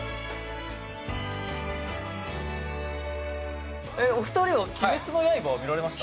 宮田：お二人は『鬼滅の刃』は見られました？